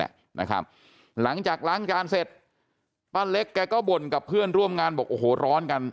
แหละนะครับหลังจากล้างจานเสร็จปะเล็กก็บ่นกับเพื่อนร่วมงานบอกโอ้โหร้นกัน